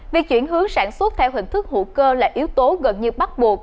việc chuyển hướng sản xuất theo hình thức hữu cơ là yếu tố gần như bắt buộc